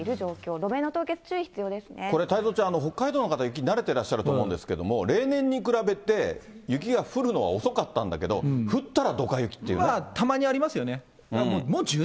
路面の凍結、これ、太蔵ちゃん、北海道の方、雪、慣れてらっしゃると思うんですけれども、例年に比べて雪が降るのが遅かったんだけど、まあ、たまにありますよね。